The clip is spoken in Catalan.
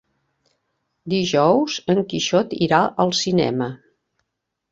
Dijous en Quixot irà al cinema.